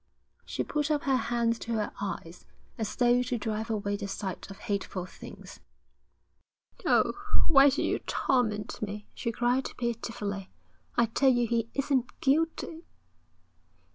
She put up her hands to her eyes, as though to drive away the sight of hateful things. 'Oh, why do you torment me?' she cried pitifully. 'I tell you he isn't guilty.'